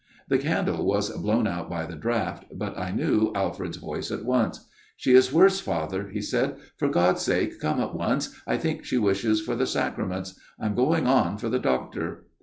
" The candle was blown out by the draught, but I knew Alfred's voice at once. "' She is worse, Father,' he said, ' for God's 176 A MIRROR OF SHALOTT sake come at once. I think she wishes for the Sacraments. I am going on for the doctor.'